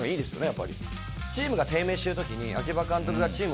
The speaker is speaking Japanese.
やっぱり。